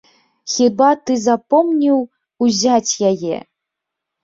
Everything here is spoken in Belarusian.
Хіба ты запомніў узяць яе?